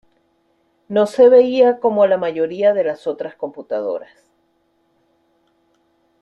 No se veía como la mayoría de las otras computadoras.